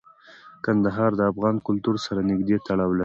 کندهار د افغان کلتور سره نږدې تړاو لري.